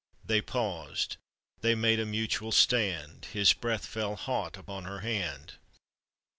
They paused, they made a mutual stand; His breath fell hot upon her hand.